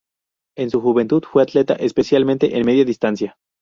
En su juventud fue atleta, especialmente en media distancia.